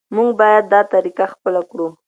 موږ باید دا طریقه خپله کړو.